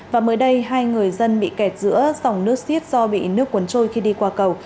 và mới đây hai người dân bị kẹt giữa dòng nước xiết do bị nước cuốn trôi khi đi qua cầu